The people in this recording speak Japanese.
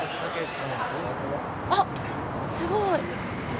あっすごい。